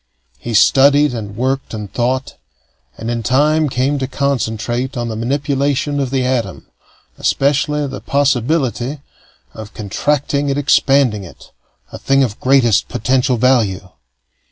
He studied and worked and thought, and in time came to concentrate on the manipulation of the atom, especially the possibility of contracting and expanding it a thing of greatest potential value.